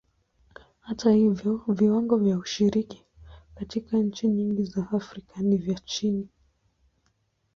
Hata hivyo, viwango vya ushiriki katika nchi nyingi za Afrika ni vya chini.